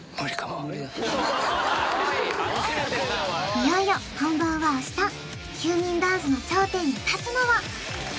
いよいよ本番は明日９人ダンスの頂点に立つのは？